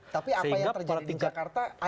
tapi apa yang terjadi di jakarta